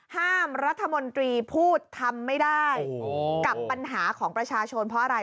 ห้ามรัฐมนตรีพูดทำไม่ได้กับปัญหาของประชาชนเพราะอะไร